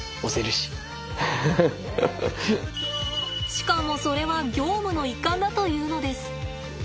しかもそれは業務の一環だというのです。